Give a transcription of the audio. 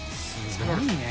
すごいね。